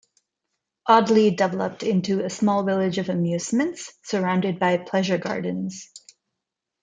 Audley developed into a small village of amusements, surrounded by 'pleasure gardens'.